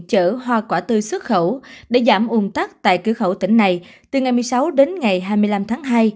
chở hoa quả tươi xuất khẩu để giảm ủng tắc tại cửa khẩu tỉnh này từ ngày một mươi sáu đến ngày hai mươi năm tháng hai